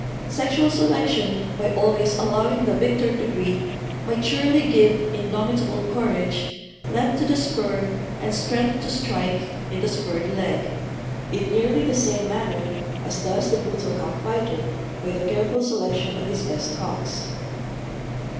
Sexual selection, by always allowing the victor to breed, might surely give indomitable courage, length to the spur, and strength to strike in the spurred leg, in nearly the same manner as does the brutal cockfighter by the careful selec tion of his best cocks.